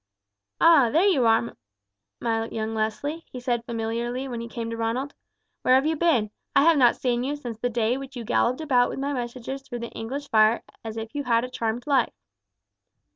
"Ah! you are there, my young Leslie," he said familiarly when he came to Ronald. "Where have you been? I have not seen you since the day when you galloped about with my messages through the English fire as if you had a charmed life."